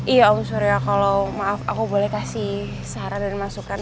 iya om surya kalau maaf aku boleh kasih saran dan masukan